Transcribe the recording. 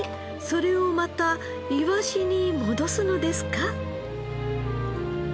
それをまたいわしに戻すのですか？